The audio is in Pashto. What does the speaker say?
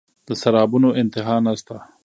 د سرابونو انتها نشته